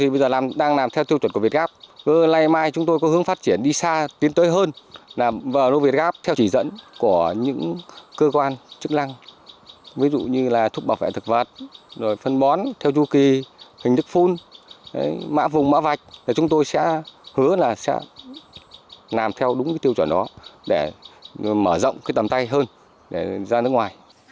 ví dụ như là thuốc bảo vệ thực vật phân bón theo chu kỳ hình thức phun mã vùng mã vạch chúng tôi sẽ hứa là sẽ làm theo đúng tiêu chuẩn đó để mở rộng tầm tay hơn để ra nước ngoài